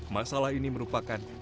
masalah ini merupakan pekerjaan rumah